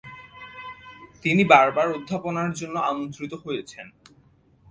তিনি বারবার অধ্যাপনার জন্য আমন্ত্রিত হয়েছেন।